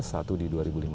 satu di dua ribu lima belas